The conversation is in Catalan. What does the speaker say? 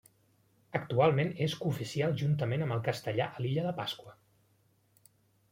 Actualment és cooficial juntament amb el castellà a l'Illa de Pasqua.